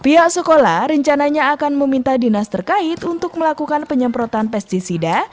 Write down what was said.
pihak sekolah rencananya akan meminta dinas terkait untuk melakukan penyemprotan pesticida